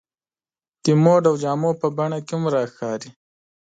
د موډ او جامو په بڼه کې هم راښکاري.